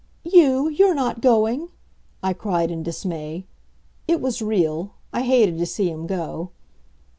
"You you're not going!" I cried in dismay. It was real. I hated to see him go.